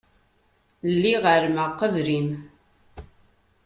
Lliɣ εelmeɣ qbel-im.